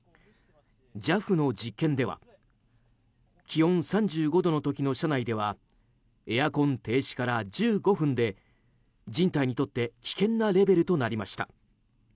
ＪＡＦの実験では気温３５度の時の車内ではエアコン停止から１５分で人体にとって危険なレベルとなりました。